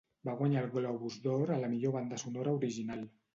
Va guanyar el Globus d'Or a la millor banda sonora original.